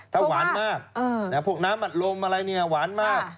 ถ้าหวานมากพวกน้ำอัดลมอะไรเนี่ยหวานมาก